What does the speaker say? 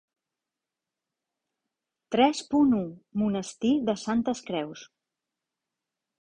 Tres punt u Monestir de Santes Creus.